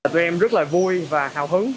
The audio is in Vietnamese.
tụi em rất là vui và hào hứng